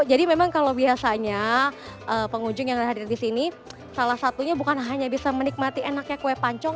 jadi memang kalau biasanya pengunjung yang ada hadir di sini salah satunya bukan hanya bisa menikmati enaknya kue pancong